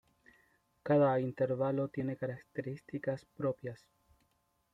Cada intervalo tiene características propias.